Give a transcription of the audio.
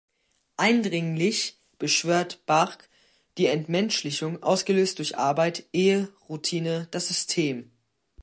Eindringlich beschwört Buarque die Entmenschlichung, ausgelöst durch Arbeit, Ehe, Routine, das System“.